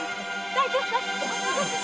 大丈夫かい？